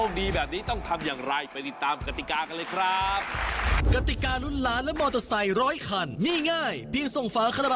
ขอแสดงความยินดีกับผู้โชคดีด้วยนะครับ